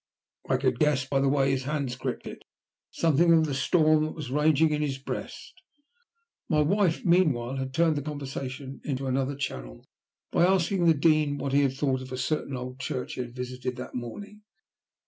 I could guess, by the way his hands gripped it, something of the storm that was raging in his breast. My wife, meanwhile, had turned the conversation into another channel by asking the Dean what he had thought of a certain old church he had visited that morning.